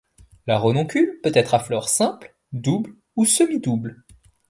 La renoncule peut être à fleur simple, double ou semi-double.